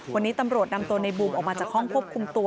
วันนี้ตำรวจนำตัวในบูมออกมาจากห้องควบคุมตัว